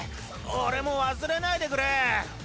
俺も忘れないでくれ